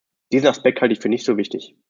Diesen Aspekt halte ich für nicht so wichtig.